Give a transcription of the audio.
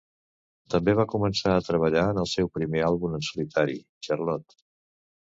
També va començar a treballar en el seu primer àlbum en solitari, "Charlotte".